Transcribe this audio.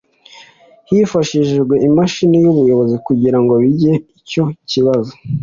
Hifashishijwe imashini y’ubuyobozi kugira ngo bige icyo kibazo